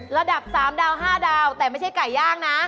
ระดับ๓ดาว๕ดาวแต่ไม่ใช่ไก่ย่างนะ